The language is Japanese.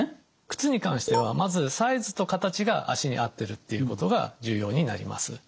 靴に関してはまずサイズと形が足に合ってるっていうことが重要になります。